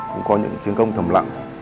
cũng có những chiến công thầm lặng